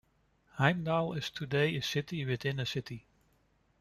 Heimdal is today a city within a city.